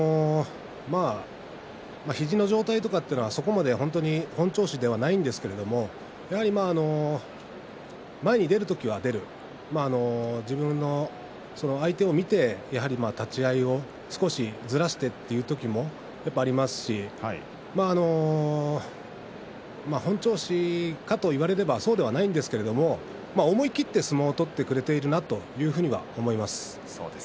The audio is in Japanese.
肘の状態とかそこまで本調子ではないんですけど前に出る時は出る、自分の相手を見て立ち合いを少しずらしてという時もありますし本調子かと言われればそうではないんですけど思い切って相撲を取ってくれているなというふうには思います。